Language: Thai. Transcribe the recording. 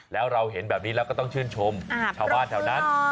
แล้วเราเห็นแบบนี้แล้วก็ต้องชื่นชมชาวบ้านแถวนั้น